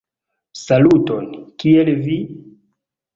Saluton, kiel vi?